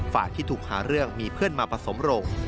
ฝ่ายที่ถูกหาเรื่องมีเพื่อนมาผสมโรง